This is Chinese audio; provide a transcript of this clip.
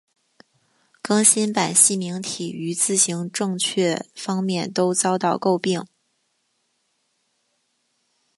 更新版细明体于字形正确方面都遭到诟病。